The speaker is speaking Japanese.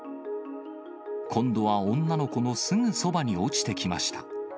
今度は女の子のすぐそばに落ちてきました。